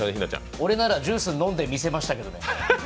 俺ならジュース飲んでみせましたけどね。